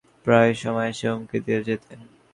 কিছুদিন আগে কাজ শুরু করলে প্রায় সময় এসে হুমকি দিয়ে যেতেন।